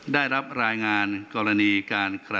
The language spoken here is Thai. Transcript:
ได้รับรายงานกรณีการ